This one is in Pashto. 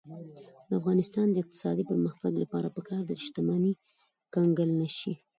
د افغانستان د اقتصادي پرمختګ لپاره پکار ده چې شتمني کنګل نشي.